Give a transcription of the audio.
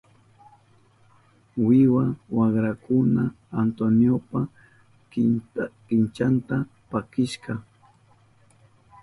Wiwa wakrakuna Antoniopa kinchanta pakishka.